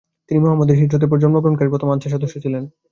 তিনি মুহাম্মাদের হিজরতের পরে জন্মগ্রহণকারী প্রথম আনসার সদস্য ছিলেন।